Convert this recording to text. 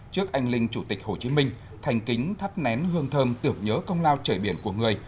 trước anh linh chủ tịch hồ chí minh thành kính thắp nén hương thơm tưởng nhớ công lao trời biển của người